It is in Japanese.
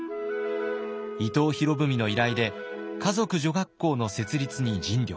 伊藤博文の依頼で華族女学校の設立に尽力。